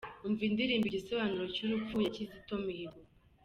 Umva indirimbo « Igisobanuro cy’urupfu » ya Kizito Mihigo :.